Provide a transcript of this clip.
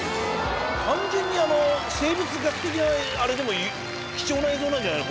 完全に生物学的あれでも貴重な映像なんじゃないの？